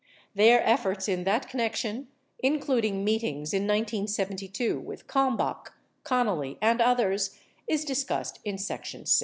52 Their efforts in that connection, including meetings in 1972 with Kalmbach, Connally, and others, is discussed in section VI.